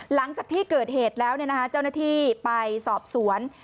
หลังจากที่เกิดเหตุแล้วเจ้าหน้าที่ไปสอบสวน